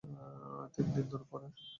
তিন দিন পরে।